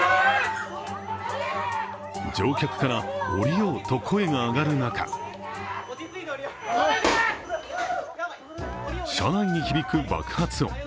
乗客から「降りよう」と声が上がる中車内に響く爆発音。